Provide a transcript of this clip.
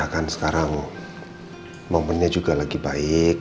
kan sekarang momennya juga lagi baik